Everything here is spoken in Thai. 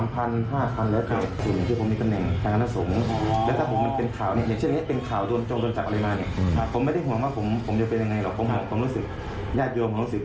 ผมจะเป็นยันไงหรอย่าโดยห่วงผมรู้สึก